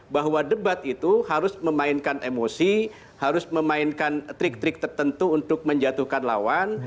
bahwa debat itu harus memainkan emosi harus memainkan trik trik tertentu untuk menjatuhkan lawan